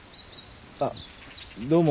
あっどうも。